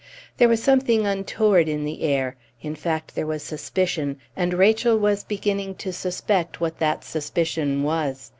There was something untoward in the air. In fact, there was suspicion, and Rachel was beginning to suspect what that suspicion was.